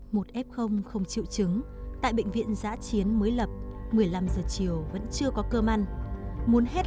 một f không chịu chứng tại bệnh viện giã chiến mới lập một mươi năm giờ chiều vẫn chưa có cơm ăn